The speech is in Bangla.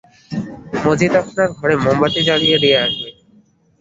মজিদ আপনার ঘরে মোমবাতি জ্বালিয়ে দিয়ে আসবে।